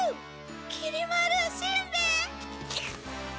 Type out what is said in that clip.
きり丸しんべヱ。